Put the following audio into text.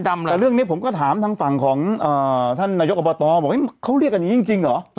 แต่เรื่องนี้ผมก็ถามทางฝั่งของท่านนายกอบตบอกเขาเรียกกันอย่างนี้จริงเหรอ